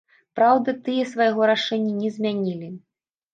Праўда, тыя свайго рашэння не змянілі.